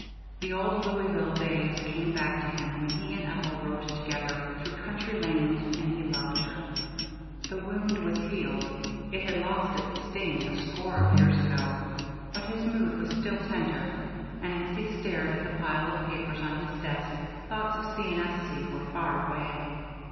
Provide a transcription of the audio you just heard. The old Louisville days came back to him when he and Ethel rode together through country lanes and he loved her. The wound was healed; it had lost its sting a score of years ago, but his mood was still tender, and as he stared at the pile of papers on his desk, thoughts of C. & S.C. were far away.